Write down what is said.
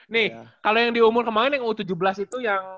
nih kalau yang di umur kemarin yang u tujuh belas itu yang